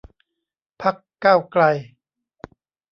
พรรคก้าวไกล